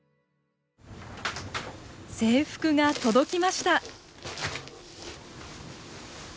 制服が届きました。